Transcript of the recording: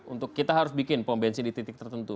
untuk kita harus bikin pombensi di titik tertentu